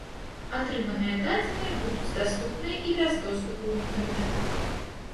Атрыманыя дадзеныя будуць даступныя і без доступу ў інтэрнэт.